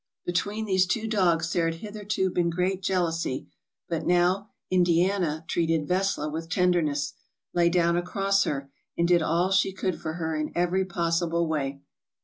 " Between these two dogs there had hitherto been great jealousy, but now 'Indiana' treated 'Vesla' with tenderness, lay down across her, and did all she could for her in every pos sible way.